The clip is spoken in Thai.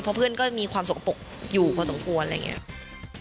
เพราะเพื่อนก็มีความสกปรกอยู่พอสมควรอะไรอย่างนี้